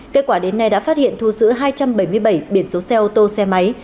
kết quả đến nay đã phát hiện thu giữ hai trăm bảy mươi bảy biển số xe ô tô xe máy